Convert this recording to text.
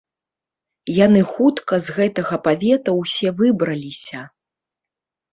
Яны хутка з гэтага павета ўсе выбраліся.